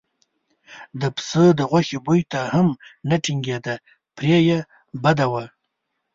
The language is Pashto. د پسه د غوښې بوی ته هم نه ټینګېده پرې یې بده وه.